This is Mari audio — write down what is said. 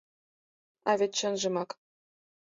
А вет чынжымак.